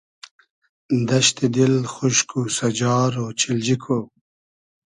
دئشتی دیل خوشک و سئجار اۉچیلجی کو